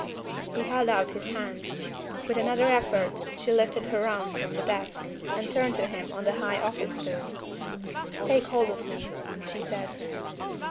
He held out his hands. With another effort, she lifted her arms from the desk, and turned to him on the high office stool. "Take hold of me," she said.